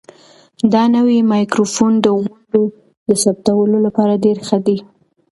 دا نوی مایکروفون د غونډو د ثبتولو لپاره ډېر ښه دی.